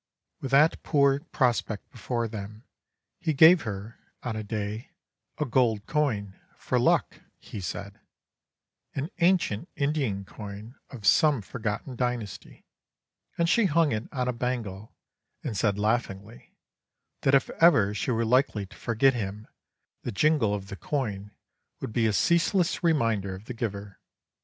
"With that poor prospect before them he gave her, on a day, a gold coin, 'for luck,' he said an ancient Indian coin of some forgotten dynasty, and she hung it on a bangle and said laughingly, that if ever she were likely to forget him the jingle of the coin would be a ceaseless reminder of the giver.